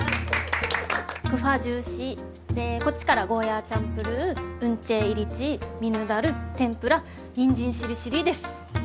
クファジューシーでこっちからゴーヤーチャンプルーウンチェーイリチーミヌダル天ぷらにんじんしりしりーです。